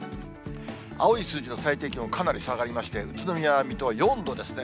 青い数字の最低気温、かなり下がりまして、宇都宮、水戸は４度ですね。